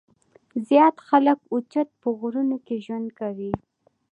زيات خلک اوچت پۀ غرونو کښې ژوند کوي ـ